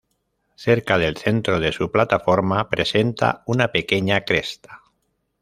Cerca del centro de su plataforma presenta una pequeña cresta.